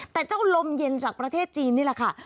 แต่เจ้าลมเย็นจากประเทศจีนนี่แหละค่ะ